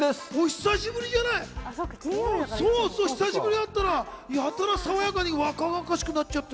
久しぶりに会ったらやたら爽やかに若々しくなっちゃってさ。